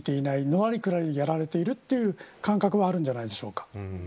のらりくらりやられているという感覚はあるんじゃないでしょうか。